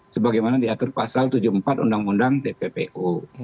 sebagaimana diatur pasal tujuh puluh empat undang undang tppu